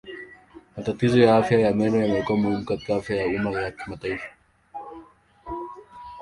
Matatizo ya afya ya meno yamekuwa muhimu katika afya ya umma ya kimataifa.